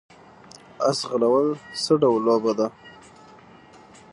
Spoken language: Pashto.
اس ځغلول څه ډول لوبه ده؟